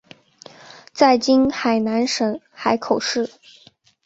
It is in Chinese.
在今海南省海口市。